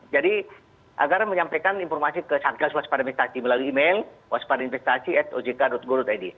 jadi agar menyampaikan informasi ke satgas waspad investasi melalui email waspadinvestasi ojk go id